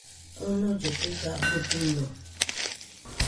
Onollɨ dɨga abɨ duño